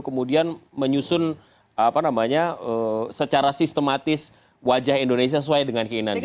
kemudian menyusun secara sistematis wajah indonesia sesuai dengan keinginan kita